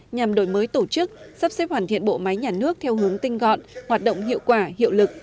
nhằm đổi mới tổ chức sắp xếp hoàn thiện bộ máy nhà nước theo hướng tinh gọn hoạt động hiệu quả hiệu lực